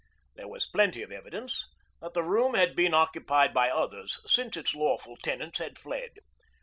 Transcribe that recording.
There was plenty of evidence that the room had been occupied by others since its lawful tenants had fled.